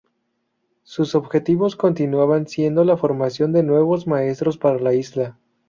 Sus objetivos continuaban siendo la formación de nuevos maestros para la Isla.